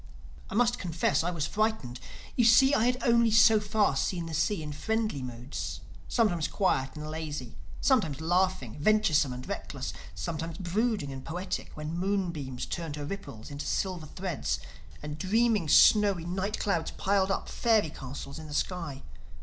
I must confess I was frightened. You see I had only so far seen the sea in friendly moods: sometimes quiet and lazy; sometimes laughing, venturesome and reckless; sometimes brooding and poetic, when moonbeams turned her ripples into silver threads and dreaming snowy night clouds piled up fairy castles in the sky.